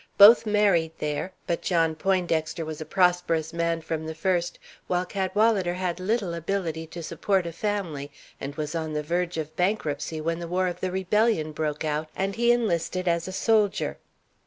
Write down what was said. Both married there, but John Poindexter was a prosperous man from the first, while Cadwalader had little ability to support a family, and was on the verge of bankruptcy when the war of the rebellion broke out and he enlisted as a soldier.